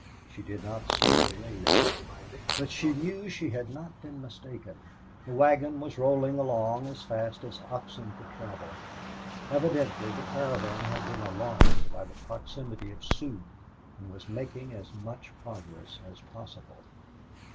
She did not see Durade. But she knew she had not been mistaken. The wagon was rolling along as fast as oxen could travel. Evidently the caravan had been alarmed by the proximity of the Sioux and was making as much progress as possible.